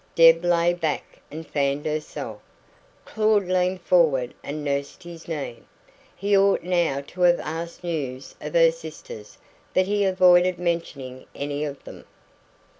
Deb lay back and fanned herself; Claud leaned forward and nursed his knee. He ought now to have asked news of her sisters, but he avoided mentioning any of them.